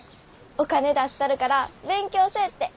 お金出したるから勉強せえって。